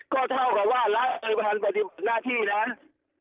ก็เท่ากับว่ารัฐอุบาลปฏิบัติหน้าที่น่ะ